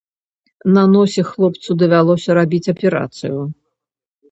На носе хлопцу давялося рабіць аперацыю.